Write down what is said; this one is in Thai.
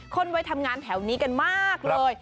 คนวัยทำงานแถวนี้กันมากเลย